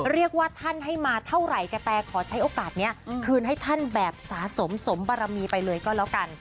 เรียกว่าท่านให้มาเท่าไหร่กะแตขอใช้โอกาสนี้คืนให้ท่านแบบสะสมสมบารมีไปเลยก็แล้วกัน